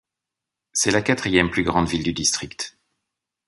C'est la quatrième plus grande ville du district.